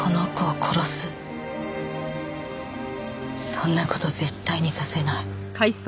そんな事絶対にさせない。